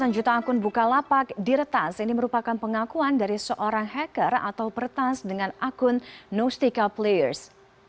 delapan juta akun bukalapak diretas ini merupakan pengakuan dari seorang hacker atau pertas dengan akun nostical players